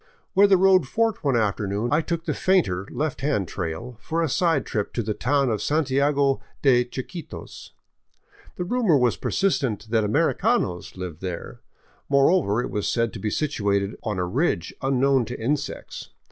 Where the road forked one afternoon I took the fainter, left hand trail for a side trip to the town of Santiago de Chiquitos. The rumor was persistent that " americanos " lived there ; moreover, it was said to be situated on a ridge unknown to insects.